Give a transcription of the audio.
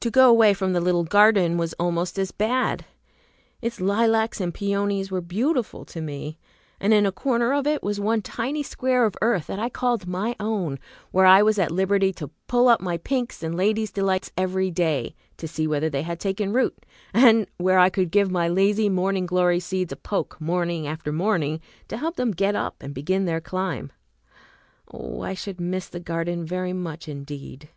To go away from the little garden was almost as bad. Its lilacs and peonies were beautiful to me, and in a corner of it was one tiny square of earth that I called my own, where I was at liberty to pull up my pinks and lady's delights every day, to see whether they had taken root, and where I could give my lazy morning glory seeds a poke, morning after morning, to help them get up and begin their climb. Oh, I should miss the garden very much indeed!